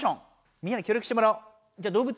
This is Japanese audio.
みんなに協力してもらおう。